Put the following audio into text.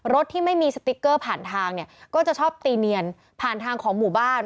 ที่ไม่มีสติ๊กเกอร์ผ่านทางเนี่ยก็จะชอบตีเนียนผ่านทางของหมู่บ้าน